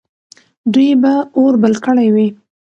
دوی به اور بل کړی وي.